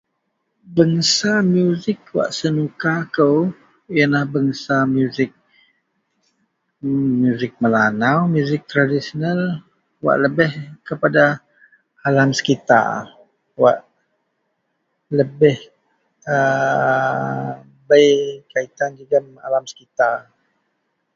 bangsa music wak senuka kou ienlah bangsa music emm music melanau music tradisional wak lebih kepada alam sekitar wak lebeih aa bei kaitan jegum alam sekitar